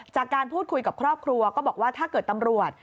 จากการพูดคุยกับครอบครัวก็บอกว่าถ้าเกิดตำรวจ